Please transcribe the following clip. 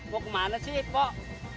mau kemana sih kok